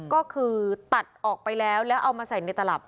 ก็คือตัดออกไปแล้วแล้วเอามาใส่ในตลับ